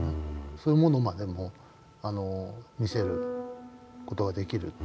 そういうものまでも見せる事ができる。